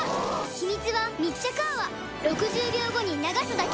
ヒミツは密着泡６０秒後に流すだけ